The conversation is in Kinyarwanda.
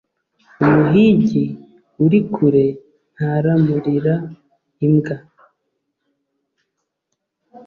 Umuhigi uri kure ntaramurira imbwa.